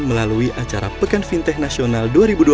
melalui acara pekan fintech nasional dua ribu dua puluh